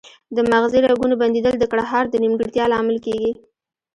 د مغزي رګونو بندیدل د ګړهار د نیمګړتیا لامل کیږي